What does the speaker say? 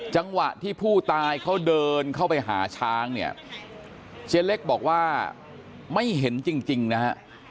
จังหวะที่ผู้ตายเขาเดินเข้าไปหาช้างเนี่ยเจ๊เล็กบอกว่าไม่เห็นจริงนะฮะ